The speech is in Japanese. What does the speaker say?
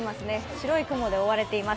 白い雲で覆われています。